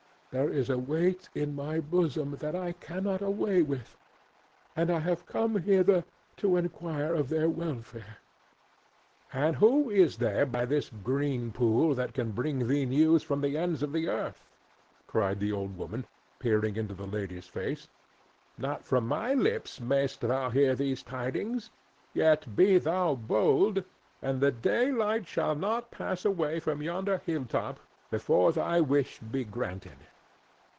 There is a weight in my bosom that I cannot away with, and I have come hither to inquire of their welfare." "And who is there by this green pool that can bring thee news from the ends of the earth?" cried the old woman, peering into the lady's face. "Not from my lips mayst thou hear these tidings; yet be thou bold, and the daylight shall not pass away from yonder hilltop before thy wish be granted."